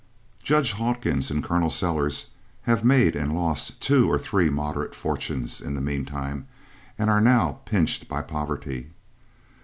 Judge Hawkins and Col. Sellers have made and lost two or three moderate fortunes in the meantime and are now pinched by poverty.